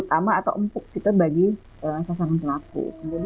utama atau empuk kita bagi sasaran pelaku